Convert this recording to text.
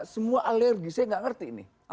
semua alergi saya gak ngerti ini